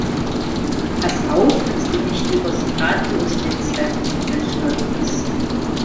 Pass auf, dass du nicht übers Drahtlosnetzwerk-Kabel stolperst!